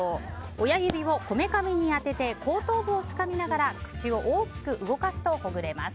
親指をこめかみに当てて後頭部をつかみながら口を大きく動かすとほぐれます。